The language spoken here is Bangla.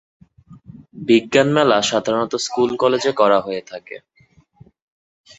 বিজ্ঞান মেলা সাধারণত স্কুল-কলেজে করা হয়ে থাকে।